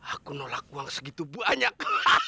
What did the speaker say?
aku nolak uang segitu banyak